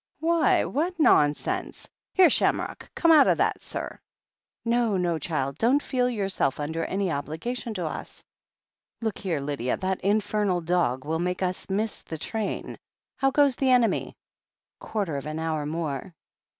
"Why? What nonsense! Here, Shamrock — come out of that, sir. No, no, child— don't feel yourself xmder any obligation to us. Look here, Lydia, that infernal dog will make us miss the train — ^how goes the enemy?" "Quarter of an hour more."